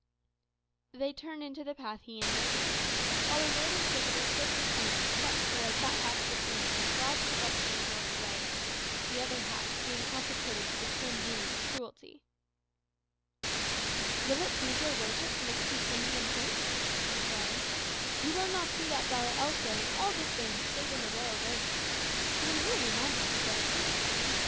They turned into the path he indicated, while the Lord Inquisitor's silken train swept towards that half of the Triana where godless luxury bore sway; the other half being consecrated to the twin demon, cruelty. "Will it please your worship to look at these Indian pinks?" said the friar. "You will not see that flower elsewhere in all the Spains, save in the royal gardens. His Imperial Majesty brought it first from Tunis."